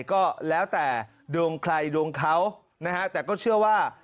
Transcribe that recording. ก็แล้วแต่ดวงใครดวงเขานะฮะแต่ก็เชื่อว่า